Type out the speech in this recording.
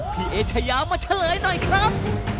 เอเชยามาเฉลยหน่อยครับ